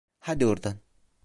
Hadi oradan.